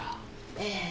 ええ。